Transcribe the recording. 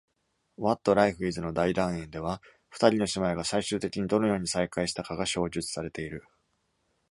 「What Life Is」の大団円では、二人の姉妹が最終的にどのように再会したかが詳述されている。